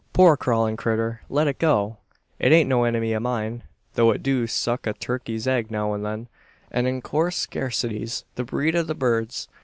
"Poor crawlin' critter; let it go! It ain't no enemy o' mine; though it do suck a turkey's egg now an then, an in coorse scarcities the breed o' the birds.